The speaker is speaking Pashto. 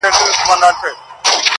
په یوه شېبه پر ملا باندي ماتېږې-